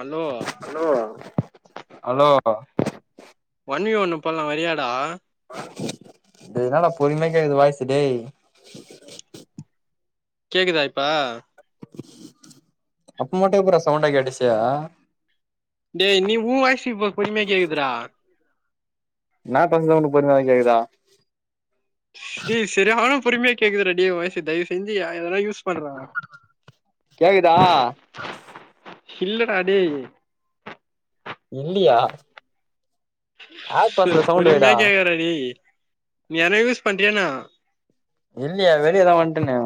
Hello hello hello ஒன்வி ஒன்னு பண்லா வரியாடா இதுனால பொறுமை கேக்குது வாய்ஸ்சு டே கேக்குதா இப்ப அப்போ மட்டு எப்புட்றா சவுண்டா கேட்டுச்சு டேய் நீ் உ வாய்ஸ் இப்போ பொறுமையா கேக்குதடா நா சொல்றது உனக்கு பொறுமையாதா கேக்குதா டே செரியான பொறுமையா கேக்குதுடா டே ஓ வாய்ஸு தயவு செஞ்சு எ எதுனா யூஸ் பண்றா கேக்கதா இல்லடா டேய் இல்லியா ஆர் பாஸ்ல சவுண்டு பொறுமையா வைடா கேக்குதுடா டேய் நீ எதனா யூஸ் பண்றியா என்னா இல்லயே வெளிய தா வன்ட்டேனே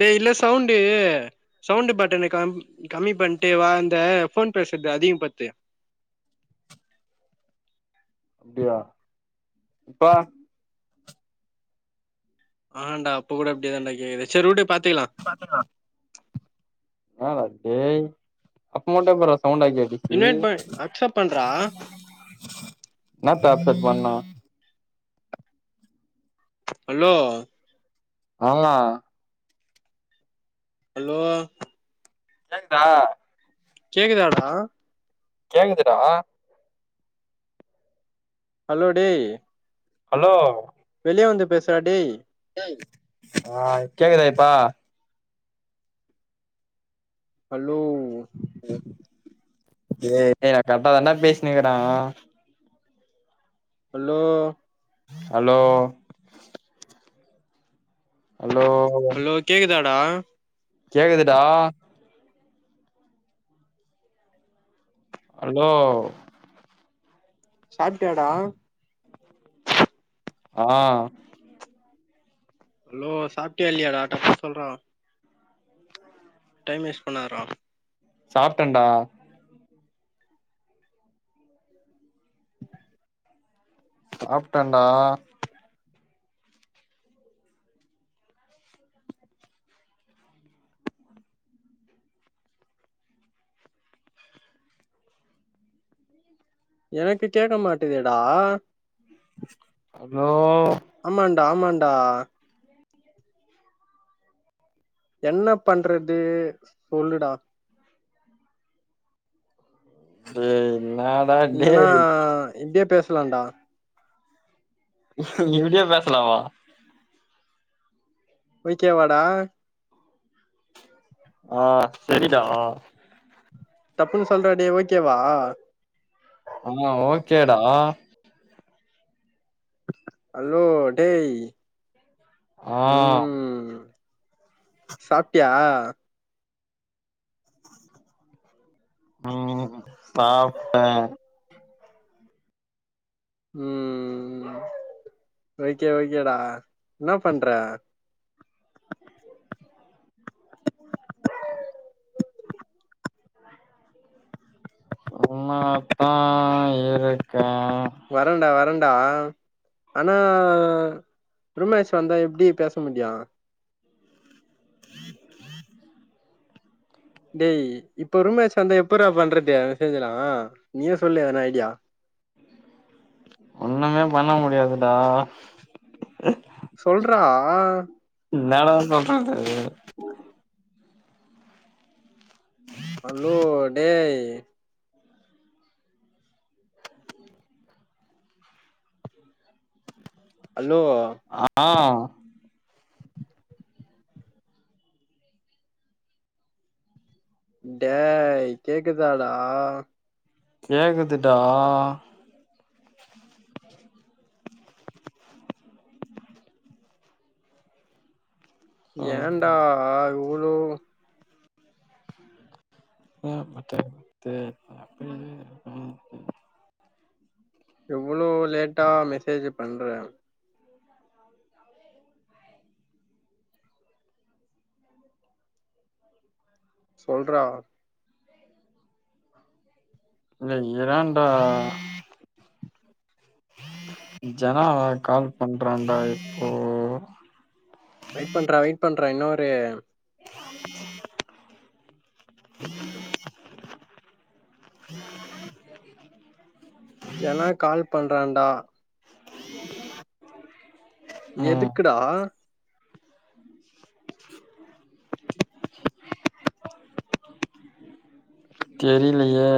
டே இல்ல சவுண்டு சவுண்டு பட்டன கம் கம்மி பண்ட்டு வா இந்த ஃபோன் பேஸ்றத அதிக படுத்து அப்டியா இப்ப ஹாண்டா இப்ப கூட அப்டியே தாண்டா கேக்குது செரிவுடு பாத்துக்கலா பாத்துர்லா ஆ டேய் அப்போ மட்டோ எப்புர்றா சவுண்டா கேட்டு இன்வைட் டேய் பண் அக்செப்ட் பண்றா என்னா டார்ச்சர் பண்ணா ஹலோ ஆல்னா ஹலோ கேக்குதா கேக்குதாடா கேக்குதுடா ஹலோ டே ஹலோ வெளியே வந்து பேசுறா டே ஆ கேக்குதா இப்ப ஹலோ டே நா கரெக்டாதான்டா பேசினிக்கிற ஹலோ ஹலோ ஹலோ ஹலோ கேக்குதாடா கேக்குதுடா ஹலோ சாப்டியாடா ஆ ஹலோ சாப்டியா இல்லையாடா டக்குனு சொல்றா டைம் வேஸ்ட் பண்ணாதடா சாப்டண்டா சாப்டண்டா எனக்கு கேக்க மாட்டேதடா ஹலோ ஆமான்டா ஆமான்டா என்ன பண்றது சொல்லுடா டேய் என்னா இல்லன்னா இப்டியே பேசலான்டா இப்டியே பேசலாமா ஓகேவாடா ஆ சரிடா டப்புன்னு சொல்றா டே ஓகேவா அம்மா ஓகேடா ஹலோ டேய் ஆ சாப்டியா ம் சாப்ட்டன் ம் ஓகே ஓகேடா என்னா பண்ற? சும்மாத்தான் இருக்கன் வரண்டா வரண்டா ஆனா ரூம்மேஷ் வந்தா எப்டி பேச முடியு டேய் இப்ப ரூமேஷ் வந்த எப்டரா பண்றது மெஸ்சேஜலா நீயே சொல்லு எதனா ஐடியா ஒண்ணுமே பண்ண முடியாதுடா சொல்ட்றா இன்னாட சொல்றது ஹலோ டேய் ஹலோ ஆ டேய் கேக்கு தா டா கேக்குதுடா சொல்றே ஏன்டா இவ்ளோ [unintelligible] எவ்ளோ லேட்டா மெசேஜ் பண்ற சொல்ட்றா இல்ல இரேண்டா ஜனாவா கால் பண்றான்டா இப்போ வெயிட் பண்றா வெயிட் பண்றா இன்னொரு ஜனா கால் பண்றான்டா ம் எதுக்குடா தெரிய்லியே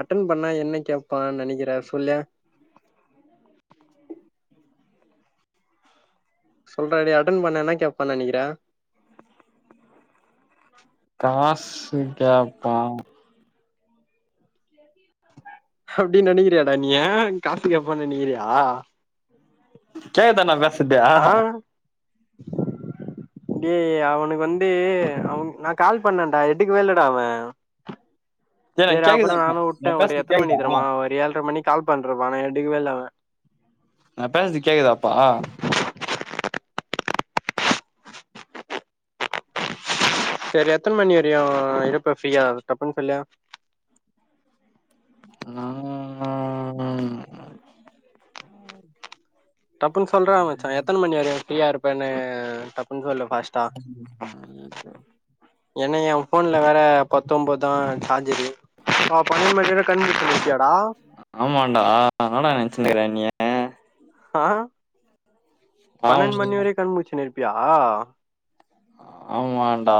அட்டன் பண்ணா என்ன கேப்பா நெனைக்கிற சொல்லு சொல்ட்ற டே அட்டன் பண்ணா என்ன கேப்பா நெனைக்கிற காஸ்சு கேப்பா அப்டி நெனைக்கிறியாடா நீயி காசு கேப்பா நெனைக்கிறியா கேக்க தா நண்பே ஆ டே அவுனுக்கு வந்து அவு நா கால் பண்ணேன்டா எடுக்கவே இல்லடா அவே ஏ நா சேரி அப்றோ கேக்குதா இப்ப நானு நா உட்டே ஒரு பேசறது எத்தன கேக்குதா மணிக் தெரிமா ஒரு ஏழ்ர மணிக் கால் பண்றப்பா ஆனா எடுக்கவேயில்ல நா பேஸ்து கேக்குதாப்பா செரி எத்தன மணி வரையு இருப்ப ஃப்ரீயா டப்புன் சொல்லு நா [inaudible] டப்புன் சொல்ட்றா மச்சா எத்தன மணி வரையு ஃப்ரியா இருப்பேன்னு டப்புன் சொல்லு ஃபாஸ்ட் ம் [inaudible] என்ன எ ஃபோன்ல வேற பத்தம்போத் தா சார்ஜரு ஆ பன்னென்ட் மணி வர கண் முழிச்சி [inaudible] இருப்பியாடா ஆமான்டா [inaudible] என்னாடா நென்ச்சினுகிற என்னிய ஆ பன்னெண் ஆமா மணி வரைக் கண்முழிச்சினு இருப்பியா? ஆமான்டா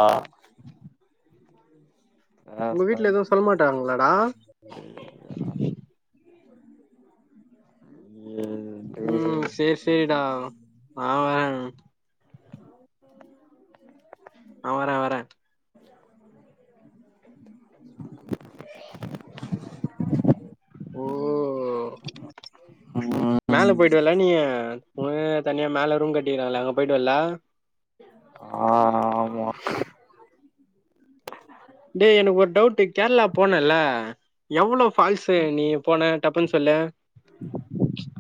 உங்க பேச- வீட்ல எது சொல் மாட்டாங்ளாடா? ம் சேர் செரிடா ஆ வ ஆ வர வர ஓ [inaudible] ம் மேல போயிடுவல்ல நீயி ஓனக்காக தனியா மேலே ரூம் கட்டிகிராங்களே அங்க போயிடுவல்ல ஆ ஹ ஆமா டே எனுக்கு ஒரு டவுட்டு கேர்ளா போனல்ல எவ்ளோ ஃபால்ஸ்ஸு நீ போன டப்புன்னு சொல்லு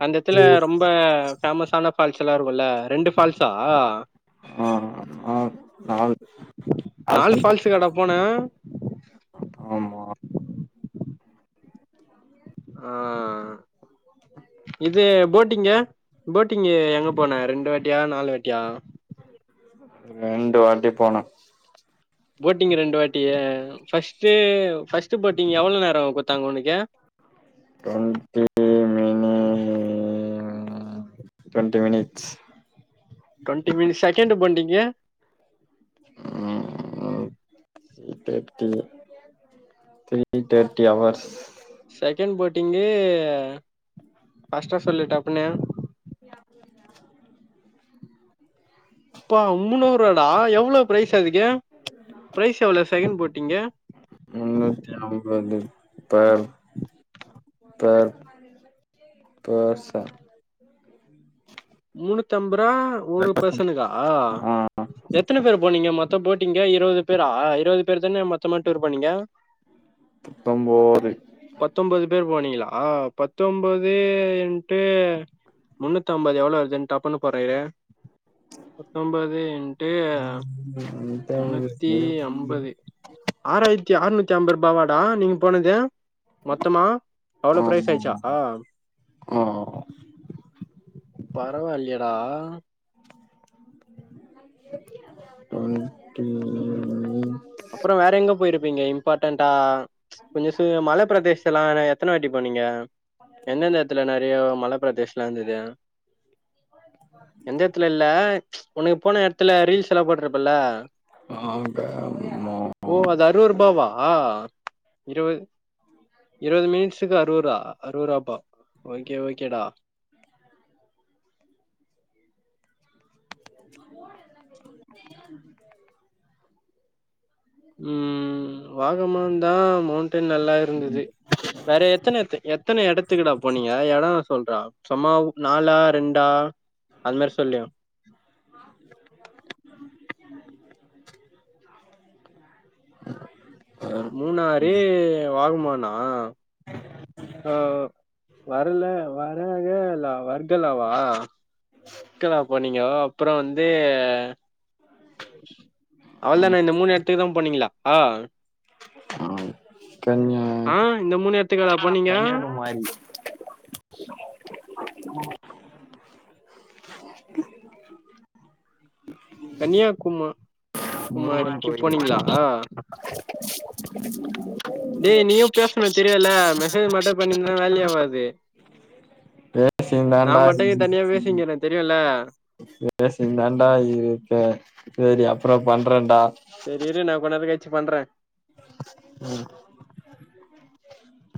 அந்த எத்துல ரொம் ப ஃபேமஸான ஃபால்ஸ்ஸல்லா இருக்குல்ல ரெண்டு ஃபால்ஸா ஆ ஆ நாலு நாலு ஃபால்ஸுகாடா போன [inaudible] ஆமா ஆ இது போட்டிங்கு போட்டிங்கு எங்க போன ரெண்டு வாட்டியா நாலு வாட்டியா? ரெண்டு வாட்டி போன போட்டிங்கு ரெண்டு வாட்டி ஃபர்ஸ்ட்டு ஃபர்ஸ்ட்டு போட்டிங் எவ்ளோ நேரோ குத்தாங்க ஒனக்கு டொ ண் டி மி னி அ twenty minutes twenty minutes second போண்டிங்கு உ [inaudible] திரி தேட்டி திரி தேட்டிஅவர்ஸ் செகண்ட் போட்டிங்கு ஃபாஸ்ட்டா சொல்லு டப்புனு ப்பா முனு அவுராடா எவ்ளோ ப்ரைஸ் அதுக்கு ப்ரைஸ் எவ்ளோ செகண்ட் போட்டீங்கு முன்னூத்தி ஐம்பது பர் பர் பேர் சன் முணூத்து அம்பது ருவா ஒரு பர்சனுக்கா ஆ எத்தன பேரு போனீங்க மொத்தோ போட்டீங்கு இருவது பேரா இருவது பேர் தானே மொத்தமா டூர் போனீங்க பத்தொம்போது பத்தொம்பது பேரு போனீங்களா பத்தொம்பது இன்ட்டு முன்னூத்தம்பது எவ்ளோ வருதுன்னு டப்புன்னு போறயிரு பத்தொம்பது இன்ட் முன்னூத்தி ஐம்பது ஆறாயிரத்தி ஆற்நூத்தி ஐம்பது ரூபாவாடா நீங்க போனது? மொத்தமா அவ்ளோ பிரைஸ் ஆயிச்சா? உ உ பரவால்லியேடா [unintelligible] அப்றோ வேற எங்க போயிருப்பீங்க இம்பார்ட்டன்டா கொஞ்சோ சி மல பிரதேசத்லா ஆனா எத் தன வாட்டி போனீங்க எந்தெந்த எத்துல நெறையொ மலப்பிரதேசலா இந்தது எந்த எத்துல இல்ல ஒனக்கு போன எடத்துல ரீல்ஸ் எலா போட்டுர்ப்பல்ல ஆங்க மோ ஓ அது அறுவரு பாவா இருவது இருவது மினிட்ஸுக்கு அறுவருவா அறுவராப்பா ஓகே ஓகேடா ம் வாகமான் தா மவுண்டென் நல்லா இருந்தது வேற எத்தன எத் எத்தன எடத்துக்குடா போனீங்க யெடோ சொல்றா சும்மா கூப்டு நாலா ரெண்டா அது மாரி சொல்லையா மூணாறு வாகமாணா அவ் வரல வரவேல்ல வர்கலாவா க்கலா போனீங்கோ அப்றோ வந்து அவ்ளதான இந்த மூணு இடத்துக்கு தா போனீங்ளா ஆ ஆவ் கன்யா ஆ இந்த மூணு எடத்துக்காடா போனீங்க கண்யாகுமாரி கன்னியாகுமா முருகன் குமாரிக்கு கோயில் போனீங்ளா டேய் நீயு பேசணு தெரியுல மெசேஜ் மட்டு பண்ணிந்தா வேலேயாவாது நா பேசிந்தாண்டா மட்டுயி தனியா பேசிங்கிற தெரியுல பேசிந்தான்டா இருக்கேன் இப்ப செரி அப்றோ பண்றன்டா செரி இரு நா கொணறு கழிச்சி பண்றே ம்